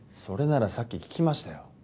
それならさっき聞きましたよ。